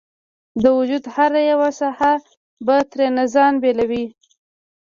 د وجود هره یوه حصه به ترېنه ځان بیلوي